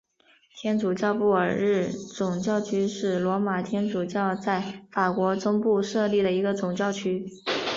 天主教布尔日总教区是罗马天主教在法国中部设立的一个总教区。